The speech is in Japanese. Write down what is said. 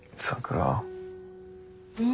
うん？